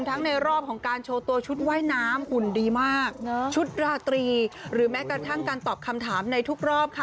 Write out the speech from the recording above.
ในรอบของการโชว์ตัวชุดว่ายน้ำหุ่นดีมากชุดราตรีหรือแม้กระทั่งการตอบคำถามในทุกรอบค่ะ